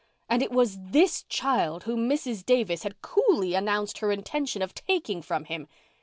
And it was this child whom Mrs. Davis had coolly announced her intention of taking from him.